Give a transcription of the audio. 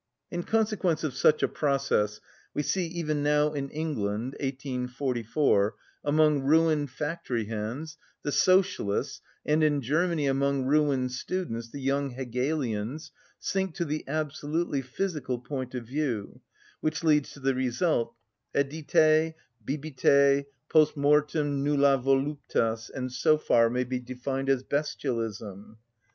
In consequence of such a process, we see even now in England (1844), among ruined factory hands, the Socialists, and in Germany, among ruined students, the young Hegelians, sink to the absolutely physical point of view, which leads to the result: edite, bibite, post mortem nulla voluptas, and so far may be defined as bestialism.